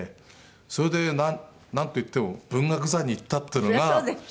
それでなんといっても文学座に行ったっていうのが。